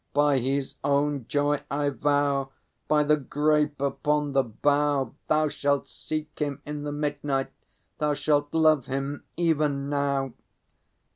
By His own joy I vow, By the grape upon the bough, Thou shalt seek Him in the midnight, thou shalt love Him, even now!